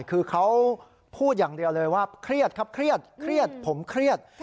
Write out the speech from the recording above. คือเขาพูดอย่างเดียวเลยว่าเครียดครับเครียดเครียดผมเครียด